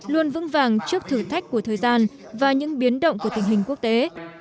luôn vững vàng trước thử thách của thời gian và những biến động của tình hình quốc tế